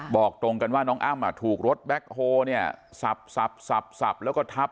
บอกตรงกันว่าน้องอ้ำถูกรถแบ็คโฮเนี่ยสับแล้วก็ทับ